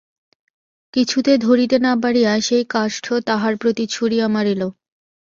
কিছুতে ধরিতে না পারিয়া সেই কাষ্ঠ তাহার প্রতি ছুঁড়িয়া মারিল।